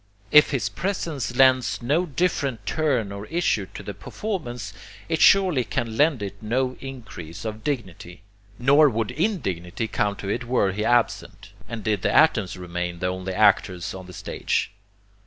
If his presence lends no different turn or issue to the performance, it surely can lend it no increase of dignity. Nor would indignity come to it were he absent, and did the atoms remain the only actors on the stage.